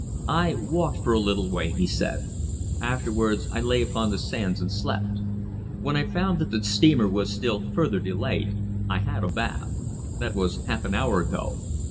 "I walked for a little way," he said. "Afterwards I lay upon the sands and slept. When I found that the steamer was still further delayed, I had a bath. That was half an hour ago.